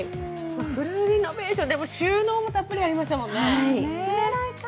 フルリノベーション、でも収納もたっぷりありましたもんね。